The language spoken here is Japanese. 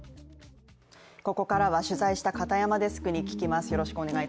ここからは取材した片山デスクに聞きます。